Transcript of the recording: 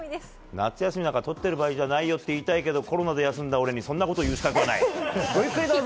夏休みなんかとってる場合じゃないよと言いたいけどコロナで休んだ俺にそんなこと言う資格はない。